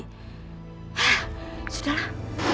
hah sudah lah